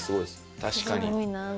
確かに。